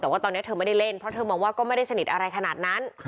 แต่ว่าตอนนี้เธอไม่ได้เล่นเพราะเธอมองว่าก็ไม่ได้สนิทอะไรขนาดนั้น